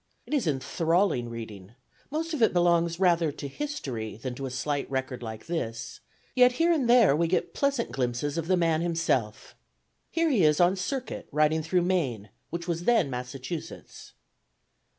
It is enthralling reading; most of it belongs rather to history than to a slight record like this, yet here and there we get pleasant glimpses of the man himself. Here he is on circuit, riding through Maine, which was then Massachusetts.